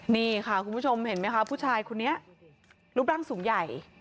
นี่ค่ะคุณผู้ชมเห็นไหมคะผู้ชายคนนี้รูปร่างสูงใหญ่